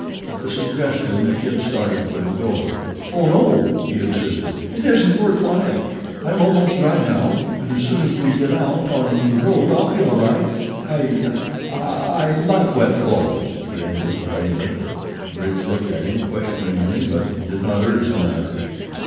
At the suggestion the kid started for the door. "Oh, no," he insisted; "it isn't worth while. I am almost dry now, and as soon as we get out on the road I'll be all right. I I I like wet clothes," he ended, lamely. Bridge looked at him questioningly; but did not urge the matter.